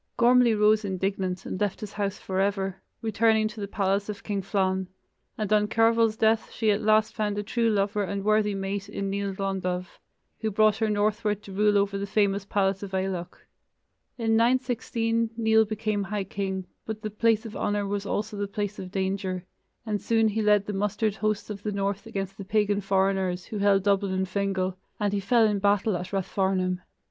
Gormlai rose indignant and left his house forever, returning to the palace of King Flann, and on Cearbhail's death she at last found a true lover and worthy mate in Nial Glondubh, who brought her northward to rule over the famous palace of Aileach. In 916 Nial became high king, but the place of honor was also the place of danger, and soon he led the mustered hosts of the north against the pagan foreigners, who held Dublin and Fingal, and he fell in battle at Rathfarnham.